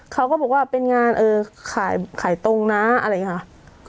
เขาก็บอกว่าเป็นงานขายตรงนะอะไรอย่างนี้ค่ะ